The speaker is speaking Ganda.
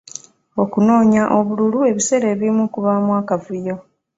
Okunoonya obululu ebiseera ebimu kubaamu akavuyo.